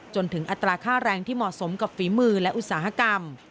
จนถึงอัตราค่าแรงที่เหมาะสมกับฝีมือและอุตสาหกรรม